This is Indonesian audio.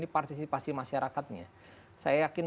partisipasi masyarakatnya saya yakin